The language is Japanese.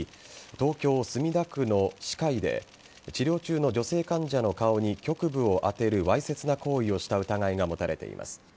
東京・墨田区の歯科医で治療中の女性患者の顔に局部を当てるわいせつな行為をした疑いが持たれています。